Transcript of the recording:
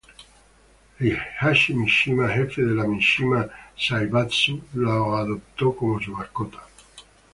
Heihachi Mishima, jefe de la Mishima Zaibatsu, lo adoptó como su mascota.